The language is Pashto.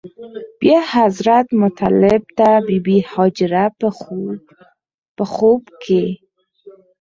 بیا حضرت مطلب ته بې بي هاجره په خوب کې.